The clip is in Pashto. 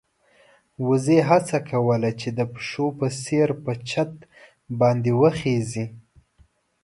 وزې هڅه کوله چې د پيشو په څېر په چت باندې وخېژي.